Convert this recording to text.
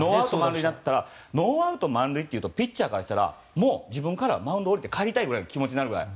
ノーアウト満塁というとピッチャーからしたらもう自分からマウンドを降りて帰りたいくらいの気持ちになるくらい。